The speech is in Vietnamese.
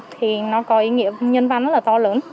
thì nó có ý nghĩa nhân văn rất là to lớn